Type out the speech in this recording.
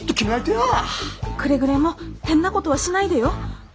くれぐれも変なことはしないでよ。